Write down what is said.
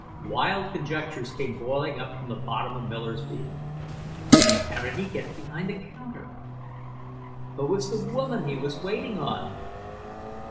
Wild conjectures came boiling up from the bottom of Miller's being. How did he get behind the counter? Who was the woman he was waiting on?